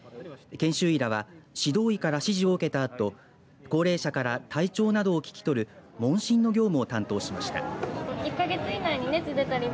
研修医らは指導医から指示を受けたあと高齢者から体調などを聞き取る問診の業務を担当しました。